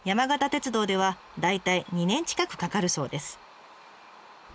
鉄道では大体２年近くかかるそうです。